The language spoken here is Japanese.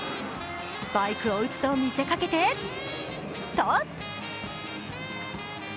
スパイクを打つと見せかけてトス！